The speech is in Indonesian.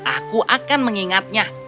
aku akan mengingatnya